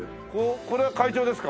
これは会長ですか？